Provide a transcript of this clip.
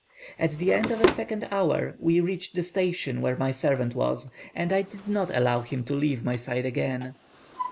At the end of a second hour we reached the station where my servant was, and I did not allow him to leave my side again.